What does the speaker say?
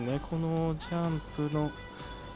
このジャンプの。